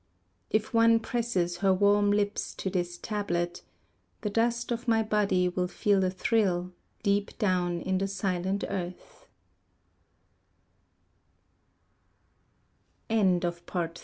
If one presses her warm lips to this tablet The dust of my body will feel a thrill, deep down in the silent